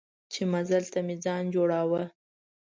چې مزل ته مې ځان جوړاوه.